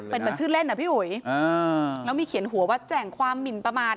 เป็นเหมือนชื่อเล่นอ่ะพี่อุ๋ยอ่าแล้วมีเขียนหัวว่าแจ่งความหมินประมาท